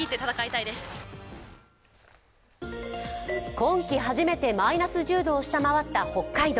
今季初めてマイナス１０度を下回った北海道。